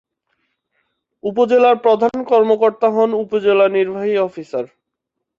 উপজেলার প্রধান কর্মকর্তা হন উপজেলা নির্বাহী অফিসার।